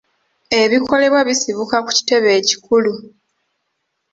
Ebikolebwa bisibuka ku kitebe ekikulu.